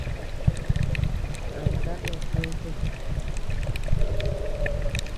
Kanta noo kuete.